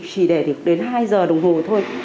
chỉ để được đến hai giờ đồng hồ thôi